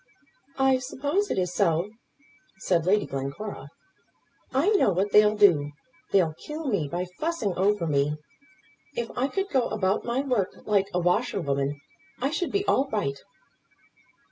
"I suppose it is so," said Lady Glencora. "I know what they'll do. They'll kill me by fussing over me. If I could go about my work like a washerwoman, I should be all right."